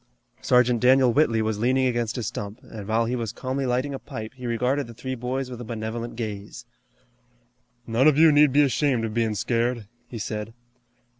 Sergeant Daniel Whitley was leaning against a stump, and while he was calmly lighting a pipe he regarded the three boys with a benevolent gaze. "None of you need be ashamed of bein' scared," he said.